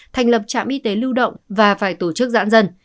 thành lập trạm y tế lưu động và phải tổ chức giãn dân